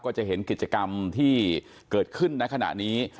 จะเห็นกิจกรรมที่เกิดขึ้นในขณะนี้